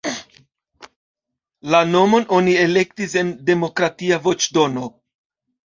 La nomon oni elektis en demokratia voĉdono.